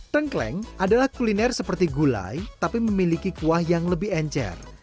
tengkleng adalah kuliner seperti gulai tapi memiliki kuah yang lebih encer